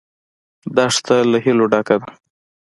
دښته له هیلو ډکه ده.